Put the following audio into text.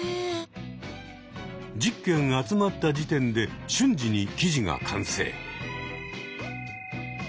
１０件集まった時点で瞬時に記事が完成。